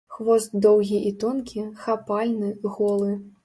Хвост доўгі і тонкі, хапальны, голы.